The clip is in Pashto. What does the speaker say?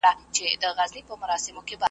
چې په استبداد ډېر دروند تمام شو